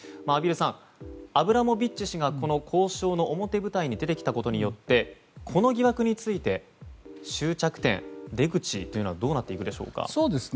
畔蒜さん、アブラモビッチ氏が交渉の表舞台に出てきたことによってこの疑惑について終着点、出口というのはどうなっていくでしょうか。